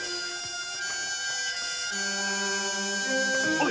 おい！